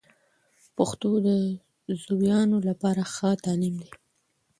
پښتو د زویانو لپاره ښه تعلیم دی.